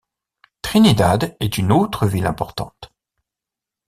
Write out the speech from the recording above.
Trinidad est une autre ville importante.